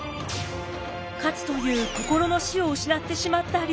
勝という心の師を失ってしまった龍馬。